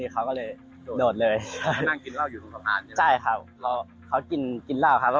คือก็เลยโดดเลยตอบได้นะครับ